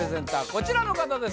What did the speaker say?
こちらの方です